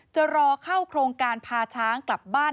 จะรอเข้าโครงการพาช้างกลับบ้าน